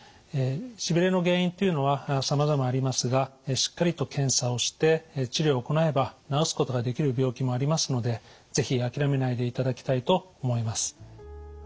しびれの原因というのはさまざまありますがしっかりと検査をして治療を行えば治すことができる病気もありますので是非諦めないでいただきたいと思います。